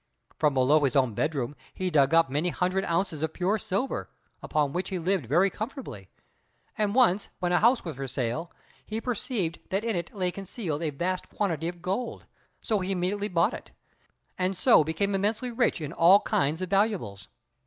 From below his own bedroom he dug up many hundred ounces of pure silver, upon which he lived very comfortably; and once when a house was for sale, he perceived that in it lay concealed a vast quantity of gold, so he immediately bought it, and so became immensely rich in all kinds of valuables.